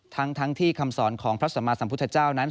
ทั้งที่คำสอนของพระสัมมาสัมพุทธเจ้านั้น